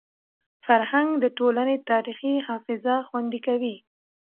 فرهنګ د ټولني تاریخي حافظه خوندي کوي.